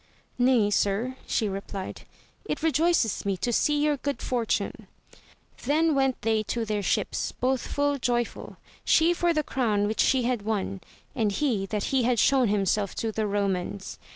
Nay sir, she replied, it rejoices me to see your good fortune : then went they to their ships, both full joyful, she for the crown which she had won, and he that he had shown himself to the Eomans.